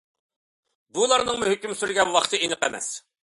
بۇلارنىڭمۇ ھۆكۈم سۈرگەن ۋاقتى ئېنىق ئەمەس.